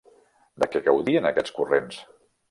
De què gaudien aquests corrents?